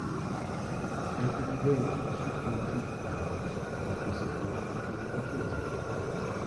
Un quolibet est tout de suite compris à Paris, et par conséquent toujours applaudi.